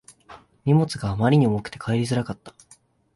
荷物があまりに重くて帰りがつらかった